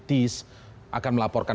dan politik yang berhenti melaporkan